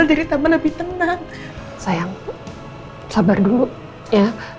hai babi aduh